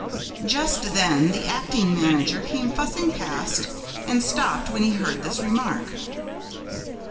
Just then the acting manager came fussing past and stopped when he heard this remark.